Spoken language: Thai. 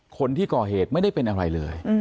คนที่ก่อเหตุไม่ได้เป็นอะไรเลย